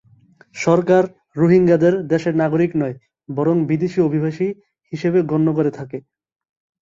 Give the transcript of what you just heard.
সরকার রোহিঙ্গাদের দেশের নাগরিক নয়, বরং বিদেশি অভিবাসী হিসেবে গণ্য করে থাকে।